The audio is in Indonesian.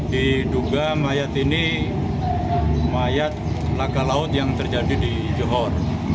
diduga mayat ini mayat laka laut yang terjadi di johor